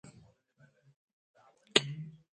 سبزیجات د روغتیا ضامن دي